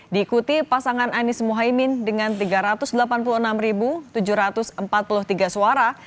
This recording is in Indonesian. diikuti pasangan anies muhaymin dengan tiga ratus delapan puluh enam tujuh ratus empat puluh tiga suara